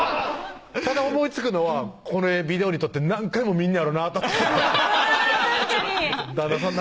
ただ思いつくのはこれビデオにとって何回も見んねやろなと旦那さん